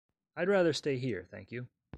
I'd rather stay here, thank you.